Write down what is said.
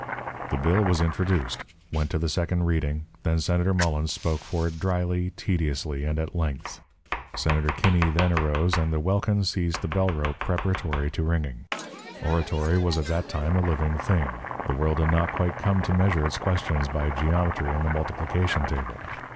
The bill was introduced, went to the second reading, and then Senator Mullens spoke for it dryly, tediously, and at length. Senator Kinney then arose, and the welkin seized the bellrope preparatory to ringing. Oratory was at that time a living thing; the world had not quite come to measure its questions by geometry and the multiplication table.